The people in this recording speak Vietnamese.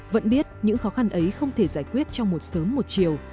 vẫn biết những khó khăn ấy không thể giải quyết trong một sớm một chiều